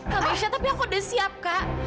kamesha tapi aku udah siap kak